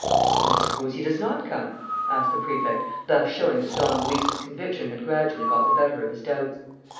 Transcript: "And suppose he does not come?" asked the Prefect, thus showing that Don Luis's conviction had gradually got the better of his doubts.